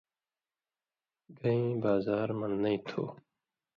گَھئین بازار مَڑنئی تُھو؟